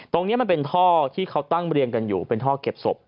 ตรงนี้มันเป็นท่อที่เขาตั้งเรียงกันอยู่เป็นท่อเก็บศพ